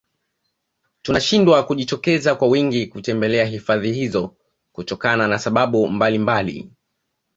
Tunashindwa kujitokeza kwa wingi kutembelea hifadhi hizo kutokana na sababu mbalimbali